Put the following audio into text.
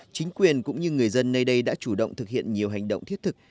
chính quyền cũng như người dân nơi đây đã chủ động thực hiện nhiều hành động thiết thực